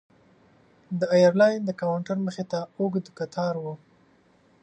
د ایرلاین د کاونټر مخې ته اوږد کتار و.